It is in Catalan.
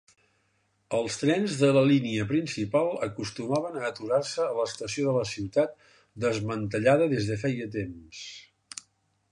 Els trens de la línia principal acostumaven a aturar-se a l'estació de la ciutat, desmantellada des de feia temps.